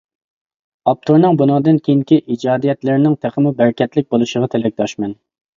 ئاپتورنىڭ بۇنىڭدىن كېيىنكى ئىجادىيەتلىرىنىڭ تېخىمۇ بەرىكەتلىك بولۇشىغا تىلەكداشمەن.